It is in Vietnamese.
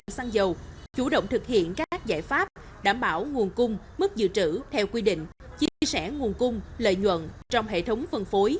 săn dầu chủ động thực hiện các giải pháp đảm bảo nguồn cung mức dự trữ theo quy định chia sẻ nguồn cung lợi nhuận trong hệ thống phân phối